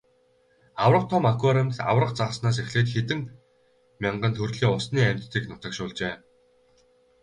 Аварга том аквариумд аварга загаснаас эхлээд хэдэн мянган төрлийн усны амьтдыг нутагшуулжээ.